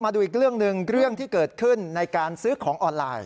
ดูอีกเรื่องหนึ่งเรื่องที่เกิดขึ้นในการซื้อของออนไลน์